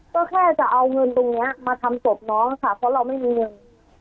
ก็แค่จะเอาเงินตรงนี้มาทำศพน้องค่ะเพราะเราไม่มีเงิน